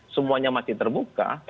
semuanya masih terbuka